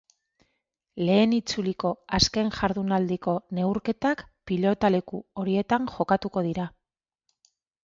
Lehen itzuliko azken jardunaldiko neurketak pilotaleku horietan jokatuko dira.